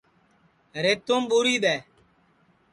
ریتُوم ٻوری دؔے